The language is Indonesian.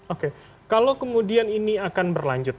oke kalau kemudian ini akan berlanjut